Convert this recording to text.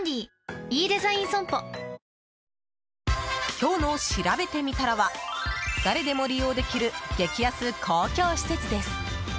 今日のしらべてみたらは誰でも利用できる激安公共施設です。